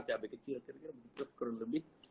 cabai kecil kecil kurang lebih